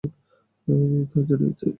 আমি তা জানিয়েছি।